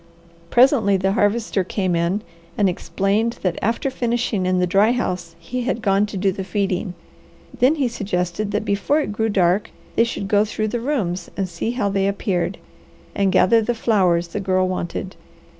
Presently the Harvester came in and explained that after finishing in the dry house he had gone to do the feeding. Then he suggested that before it grew dark they should go through the rooms and see how they appeared, and gather the flowers the Girl wanted.